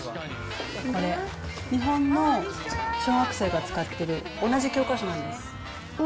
これ、日本の小学生が使ってる、同じ教科書なんです。